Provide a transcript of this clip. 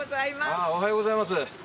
ああおはようございます。